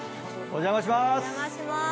お邪魔します！